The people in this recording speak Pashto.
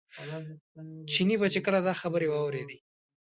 چیني به چې کله دا خبرې واورېدې.